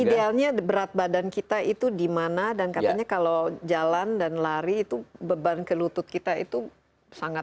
idealnya berat badan kita itu dimana dan katanya kalau jalan dan lari itu beban ke lutut kita itu sangat